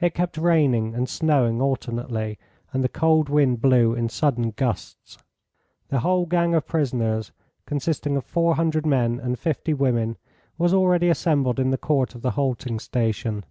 It kept raining and snowing alternately, and the cold wind blew in sudden gusts. The whole gang of prisoners, consisting of four hundred men and fifty women, was already assembled in the court of the halting station.